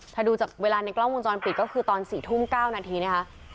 ถ้าดูจากเวลาในกล้องวงจรปิดก็คือตอน๔ทุ่ม๙นาทีนะคะ